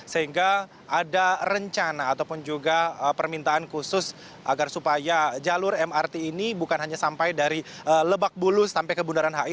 sehingga ada rencana ataupun juga permintaan khusus agar supaya jalur mrt ini bukan hanya sampai dari lebak bulus sampai ke bundaran hi